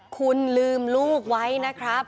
คุณลืมลูกไว้นะครับ